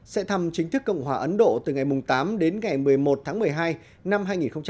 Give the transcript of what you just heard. sẽ thăm chính thức cộng hòa ấn độ từ ngày tám đến ngày một mươi một tháng một mươi hai năm hai nghìn một mươi chín